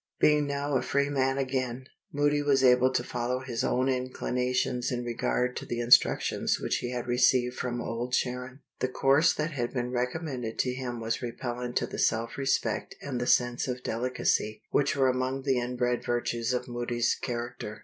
Being now a free man again, Moody was able to follow his own inclinations in regard to the instructions which he had received from Old Sharon. The course that had been recommended to him was repellent to the self respect and the sense of delicacy which were among the inbred virtues of Moody's character.